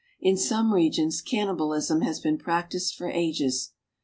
In some regions cannibalism has been practiced for ages.